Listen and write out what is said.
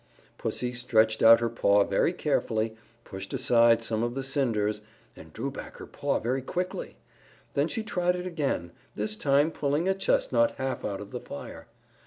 Pussy stretched out her paw very carefully, pushed aside some of the cinders, and drew back her paw very quickly. Then she tried it again, this time pulling a chestnut half out of the fire.